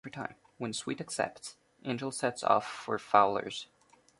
When Sweet accepts, Angel sets off for Fowler's.